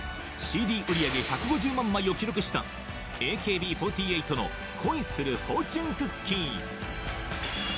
ＣＤ売り上げ１５０万枚を記録したＡＫＢ４８の「恋するフォーチュンクッキー」